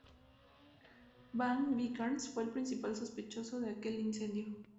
Varg Vikernes fue el principal sospechoso de aquel incendio.